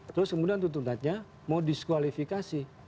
terus kemudian tuntutannya mau diskualifikasi